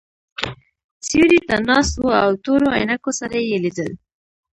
سیوري ته ناست وو او تورو عینکو سره یې لیدل.